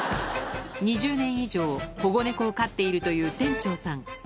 ２０年以上保護ネコを飼っているという店長さん